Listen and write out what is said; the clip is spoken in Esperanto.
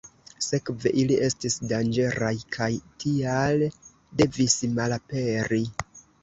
Sekve, ili estis danĝeraj kaj tial devis malaperi.